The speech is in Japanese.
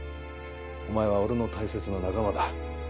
お前は俺の大切な仲間だ。